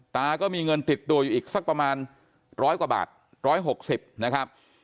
ตาก็มีเงินติดตัวอยู่อีกสักประมาณร้อยกว่าบาท๑๖๐นะครับ